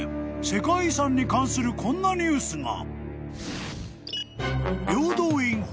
世界遺産に関するこんなニュースが］